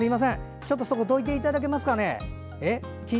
ちょっとそこどいていただけますかね。